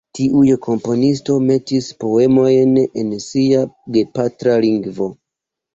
Tiuj komponistoj metis poemojn en sia gepatra lingvo.